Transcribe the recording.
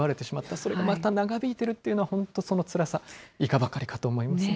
それがまた長引いてるっていうのは、本当、そのつらさ、いかばかりかと思いますね。